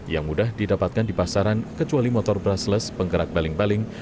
yang mudah didapatkan di pasaran kecuali motor brushless penggerak baling baling